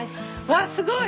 わっすごい！